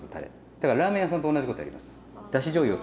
だからラーメン屋さんと同じことやります。